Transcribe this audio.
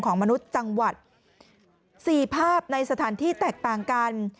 มนุษย์จังหวัด๔ภาพในสถานที่แตกต่างกัน